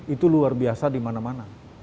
itu luar biasa di mana mana